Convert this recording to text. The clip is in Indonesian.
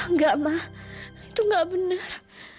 nggak ma itu nggak benar